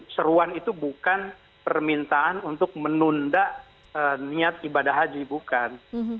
seruan itu bukan permintaan untuk menunda niat ibadah haji bukan